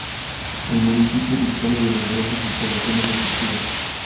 El municipio dispone de numerosas instalaciones deportivas.